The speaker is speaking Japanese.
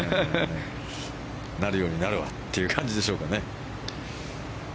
なるようになるわという感じでしょうかね。